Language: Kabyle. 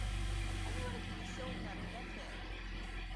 Anwa ara kem-yessiwḍen ɣer unafag?